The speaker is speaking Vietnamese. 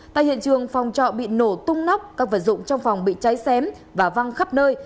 tại hiện trường phòng trọ bị nổ tung nóc các vật dụng trong phòng bị cháy xém và văng khắp nơi